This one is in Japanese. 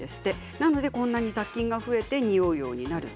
なのでこんなに、雑菌が増えてにおうようになると。